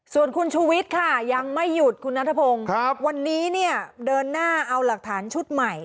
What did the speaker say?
ส่วนคุณชูวิทย์ค่ะยังไม่หยุดคุณนัทพงศ์วันนี้เนี่ยเดินหน้าเอาหลักฐานชุดใหม่